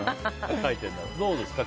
どうですか？